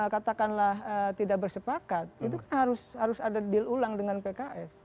katakanlah tidak bersepakat itu harus ada deal ulang dengan pks